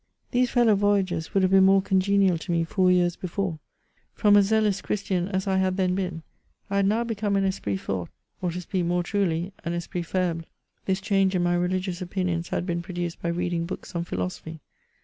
These fellow voyagers would have been more congenial to me four years before ; from a zealous Christian as 1 had then been, I had now become an esprk Jbri^ or to speak more truly, an esprit faihle. This change in my religious opinionv had been produced by reading books on philosopny.